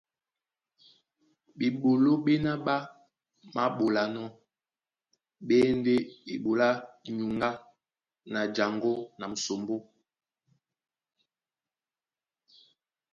Bɓeɓoló ɓéná ɓá māɓolanɔ́ ɓé e ndé eɓoló á nyuŋgá na jaŋgó na musombó.